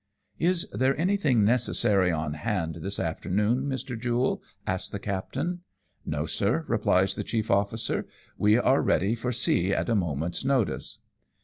" Is there anything necessary on hand this after noon, Mr. Jule ?" asks the captain. " No, sir," replies the chief officer, " we are ready for sea at a moment's notice."